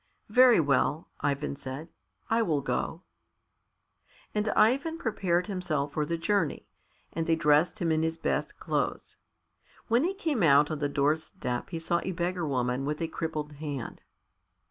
"Very well," Ivan said, "I will go." And Ivan prepared himself for the journey, and they dressed him in his best clothes. When he came out on the doorstep he saw a beggar woman with a crippled hand.